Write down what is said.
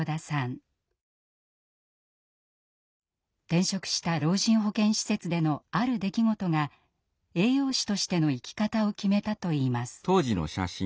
転職した老人保健施設でのある出来事が栄養士としての生き方を決めたといいます。